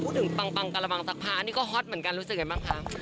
พูดถึงปั๊งปั๊งกะละมังสักทานี่ก็ฮอตเหมือนกันรู้สึกไหมปั๊ง